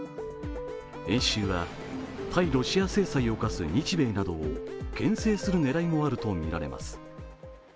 演習は対ロシア制裁を科す日米などをけん制する狙いもあるとみられます。